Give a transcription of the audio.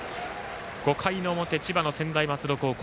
５回の表、千葉の専大松戸高校。